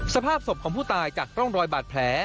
สภาพศพของผู้ตายจากร่องรอยบาดแผล